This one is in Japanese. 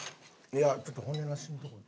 ちょっと骨なしのところ。